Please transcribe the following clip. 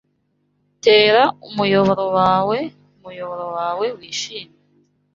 Tera umuyoboro wawe, umuyoboro wawe wishimye